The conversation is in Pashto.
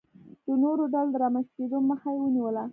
د نورو ډلو د رامنځته کېدو مخه یې ونیوله.